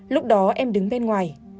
lúc đó em đứng bên ngoài